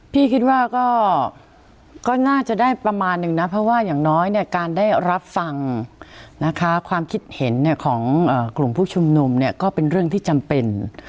พี่คิดว่าก็น่าจะได้ประมาณนึงนะเพราะว่าอย่างน้อยเนี่ยการได้รับฟังนะคะความคิดเห็นของกลุ่มผู้ชุมนุมเนี่ยก็เป็นเรื่องที่จำเป็น